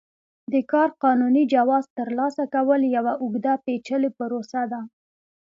د کار قانوني جواز ترلاسه کول یوه اوږده پېچلې پروسه ده.